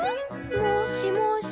「もしもし？